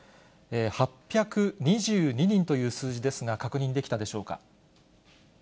８２２人という数字ですが、確認できたでしょうか。